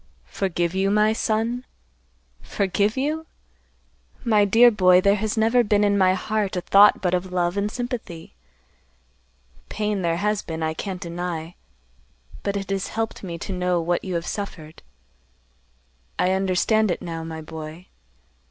"Forgive you, my son? Forgive you? My dear boy, there has never been in my heart a thought but of love and sympathy. Pain there has been, I can't deny, but it has helped me to know what you have suffered. I understand it now, my boy.